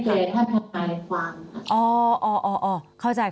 ของแม็กซ์น่านกว่าใครอะค่ะ